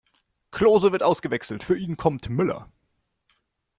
Klose wird ausgewechselt, für ihn kommt Müller.